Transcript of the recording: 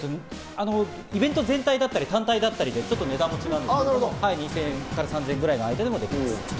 イベント全体だったり単体だったりでいろいろ違うんですけど２０００円から３０００円ぐらいの間でできます。